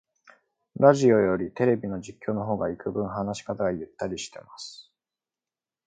ラジオよりテレビの実況の方がいくぶん話し方がゆったりしてます